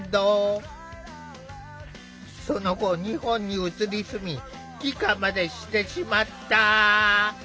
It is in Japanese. その後日本に移り住み帰化までしてしまった。